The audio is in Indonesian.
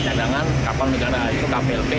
cadangan kapal negara ayu kplp